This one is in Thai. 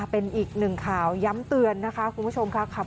เป็นอีกหนึ่งข่าวย้ำเตือนนะคะคุณผู้ชมค่ะ